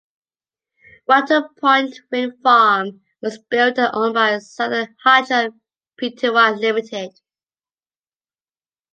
Wattle Point Wind Farm was built and owned by Southern Hydro Pty Limited.